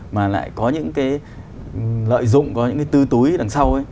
mà lại có những cái lợi dụng có những cái tư túi đằng sau ấy